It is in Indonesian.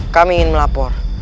kami ingin melapor